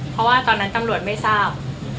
เพราะว่าตอนนั้นตำรวจไม่ทราบ